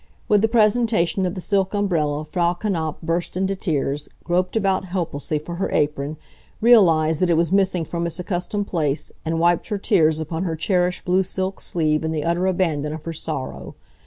With the presentation of the silk umbrella Frau Knapf burst into tears, groped about helplessly for her apron, realized that it was missing from its accustomed place, and wiped her tears upon her cherished blue silk sleeve in the utter abandon of her sorrow.